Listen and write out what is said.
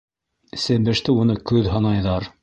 Себеште уны көҙ һанайҙар.